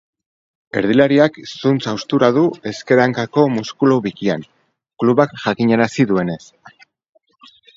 Erdilariak zuntz-haustura du ezker hankako muskulu bikian, klubak jakinarazi duenez.